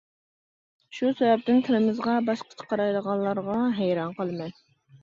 شۇ سەۋەبتىن تىلىمىزغا باشقىچە قارايدىغانلارغا ھەيران قالىمەن.